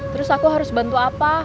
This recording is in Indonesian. terus aku harus bantu apa